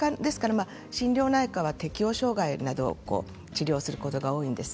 適応障害などを治療することが多いんです。